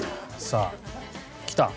さあきた。